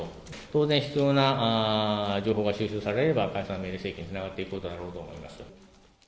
当然必要な情報が収集されれば、解散命令請求につながっていくだろうと思います。